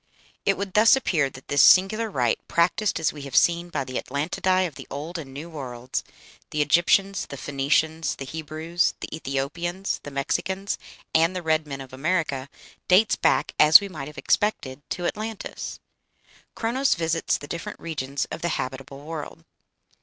It would thus appear that this singular rite, practised as we have seen by the Atlantidæ of the Old and New Worlds, the Egyptians, the Phoenicians, the Hebrews, the Ethiopians, the Mexicans, and the red men of America, dates back, as we might have expected, to Atlantis. "Chronos visits the different regions of the habitable world."